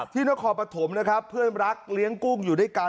นครปฐมนะครับเพื่อนรักเลี้ยงกุ้งอยู่ด้วยกัน